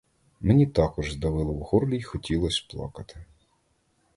Мені також здавило в горлі й хотілось плакати.